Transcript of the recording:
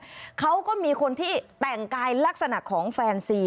ไปแล้วเนี่ยเขาก็มีคนที่แต่งกายลักษณะของแฟนสี่